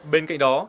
bên cạnh đó